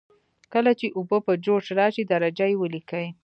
کله چې اوبه په جوش راشي درجه یې ولیکئ.